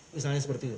misalnya seperti itu